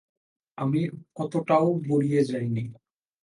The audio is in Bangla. আমি অতটাও বুড়িয়ে যাইনি।